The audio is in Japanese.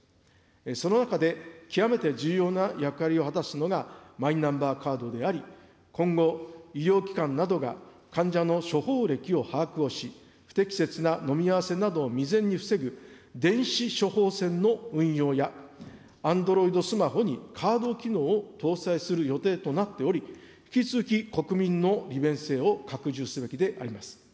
その中で、極めて重要な役割を果たすのが、マイナンバーカードであり、今後、医療機関などが、患者の処方歴を把握をし、不適切な飲み合わせなどを未然に防ぐ電子処方箋の運用や、アンドロイドスマホにカード機能を搭載する予定となっており、引き続き国民の利便性を拡充すべきであります。